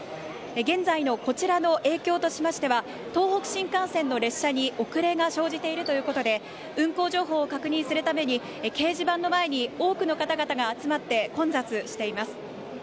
現在のこちらの影響としましては東北新幹線の列車に遅れが生じているということで運行情報を確認するために掲示板の前に多くの方々が集まって混雑しています。